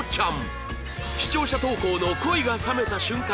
視聴者投稿の恋が冷めた瞬間